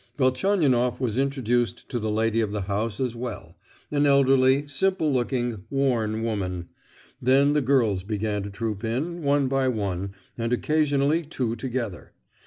Velchaninoff was introduced to the lady of the house as well—an elderly, simple looking, worn woman. Then the girls began to troop in, one by one and occasionally two together.